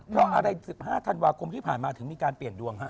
เพราะอะไร๑๕ธันวาคมที่ผ่านมาถึงมีการเปลี่ยนดวงฮะ